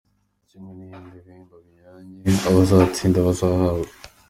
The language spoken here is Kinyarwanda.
Kimwe n’ibindi bihembo binyuranye abazatsinda bazahabwa.